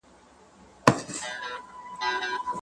کشرانو باندې باید شفقت وکړو